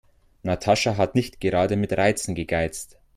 Natascha hat nicht gerade mit Reizen gegeizt.